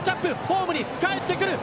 ホームに帰ってくる！